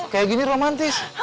kayak gini romantis